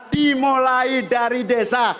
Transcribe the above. dimulai dari desa